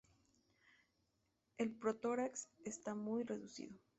El protórax está muy reducido.